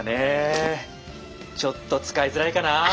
ちょっと使いづらいかな。